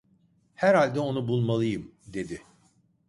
Herhalde onu bulmalıyım! dedi.